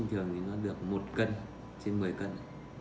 phát hiện một cơ sở bơm tạp chất